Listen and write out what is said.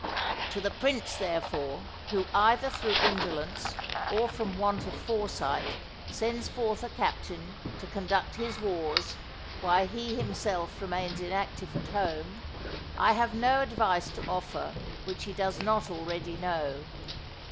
To the prince, therefore, who, either through indolence or from want of foresight, sends forth a captain to conduct his wars while he himself remains inactive at home, I have no advice to offer which he does not already know.